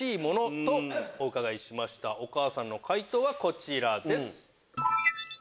お母さんの回答はこちらです。